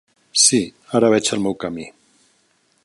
Sí, ara veig el meu camí.